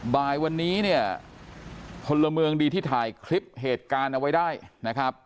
บ่ายวันนี้เนี่ยพลเมืองดีที่ถ่ายคลิปเหตุการณ์เอาไว้ได้นะครับ